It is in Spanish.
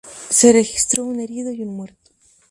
Se registró un herido y un muerto.